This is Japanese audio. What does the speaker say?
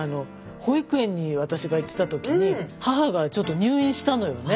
保育園に私が行ってた時に母がちょっと入院したのよね。